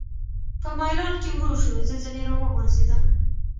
په مېلان کې ورو شو، زه ځنې را وغورځېدم.